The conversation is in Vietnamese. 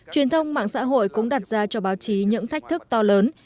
truyền thông mạng xã hội cũng đặt ra cho báo chí những thách thức to lớn